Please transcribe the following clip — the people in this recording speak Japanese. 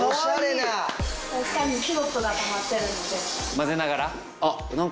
混ぜながら。